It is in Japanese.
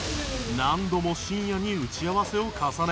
何度も深夜に打ち合わせを重ね